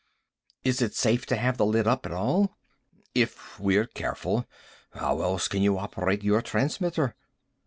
"Is it safe to have the lid up at all?" "If we're careful. How else can you operate your transmitter?"